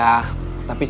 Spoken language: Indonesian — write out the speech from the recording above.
terima kasih sudah nonton